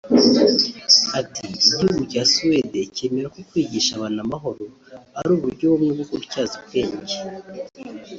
Ati “Igihugu cya Suède cyemera ko kwigisha abantu amahoro ari uburyo bumwe bwo gutyaza ubwenge